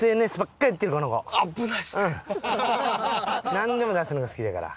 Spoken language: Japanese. なんでも出すのが好きだから。